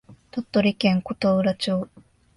鳥取県琴浦町